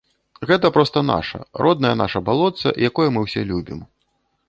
Гэта проста наша, роднае наша балотца, якое мы ўсе любім.